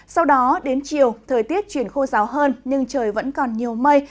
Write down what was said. sau đó đến chiều thời tiết chuyển khô ráo hơn nhưng trời vẫn còn nhiều mây